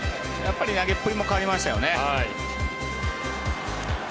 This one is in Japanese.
投げっぷりも変わりましたよね。